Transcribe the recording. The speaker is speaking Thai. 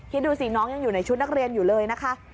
คิดดูสิน้องยังอยู่ในชุดนักเรียนอยู่เลยนะคะ